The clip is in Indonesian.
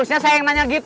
dia senang banget